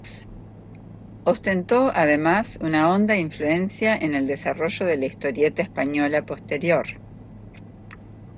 Ostentó, además, una honda influencia en el desarrollo de la historieta española posterior.